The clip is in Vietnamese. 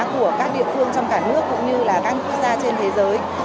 của các địa phương trong cả nước cũng như là các quốc gia trên thế giới